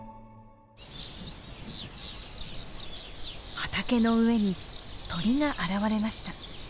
畑の上に鳥が現れました。